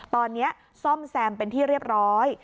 ตอนนี้ซ่อมแซมเป็นที่เรียบร้อย